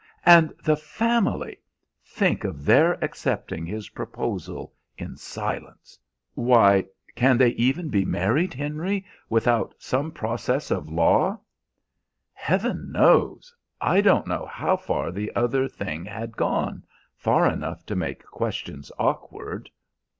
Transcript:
And the family! Think of their accepting his proposal in silence. Why, can they even be married, Henry, without some process of law?" "Heaven knows! I don't know how far the other thing had gone far enough to make questions awkward."